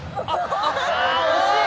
・惜しい！